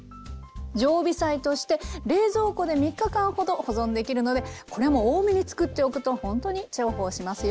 常備菜として冷蔵庫で３日間ほど保存できるのでこれも多めにつくっておくとほんとに重宝しますよ。